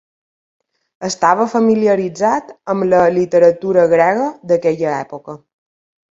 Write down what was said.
Estava familiaritzat amb la literatura grega d'aquella època.